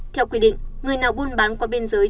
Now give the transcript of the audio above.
theo quy định người nào buôn bán qua biên giới